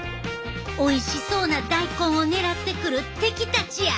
おいしそうな大根を狙ってくる敵たちや！